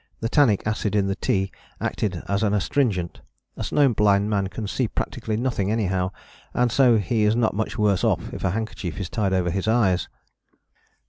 The tannic acid in the tea acted as an astringent. A snowblind man can see practically nothing anyhow and so he is not much worse off if a handkerchief is tied over his eyes.